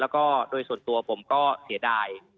แล้วก็โดยส่วนตัวผมก็เสียดาย